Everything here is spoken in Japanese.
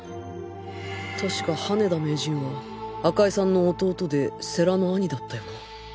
確か羽田名人は赤井さんの弟で世良の兄だったよな？